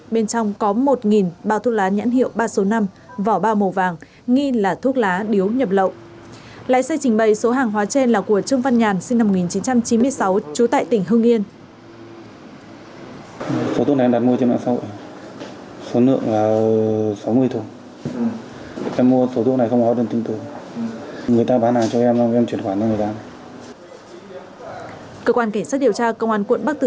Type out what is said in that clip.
bên trong có một bao thuốc lá nhãn hiệu ba trăm sáu mươi năm vỏ bao màu vàng nghi là thuốc lá điếu nhập lậu